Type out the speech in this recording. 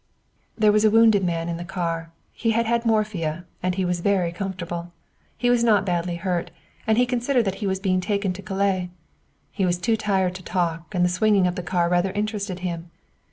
There was a wounded man in the car. He had had morphia and he was very comfortable. He was not badly hurt, and he considered that he was being taken to Calais. He was too tired to talk, and the swinging of the car rather interested him.